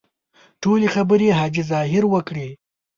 ټولې خبرې حاجي ظاهر وکړې.